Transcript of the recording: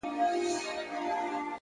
هره هڅه د سبا لپاره تخم شیندي.!